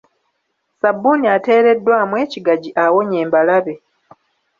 Ssabbuuni ateereddwamu ekigaji awonya embalabe.